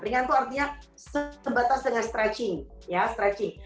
ringan itu artinya sebatas dengan stretching